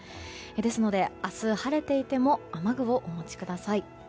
ですので、明日は晴れていても雨具をお持ちください。